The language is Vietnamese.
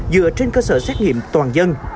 dựa trên cơ sở xét nghiệm toàn dân